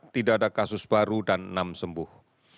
tidak ada kasus baru dan enam sembuh